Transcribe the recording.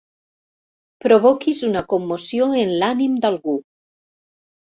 Provoquis una commoció en l'ànim d'algú.